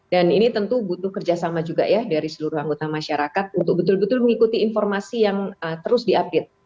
dan ini tentu butuh kerjasama juga ya dari seluruh anggota masyarakat untuk betul betul mengikuti informasi yang terus diupdate